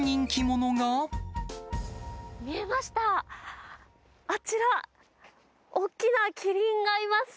見えました、あちら、大きなキリンがいます。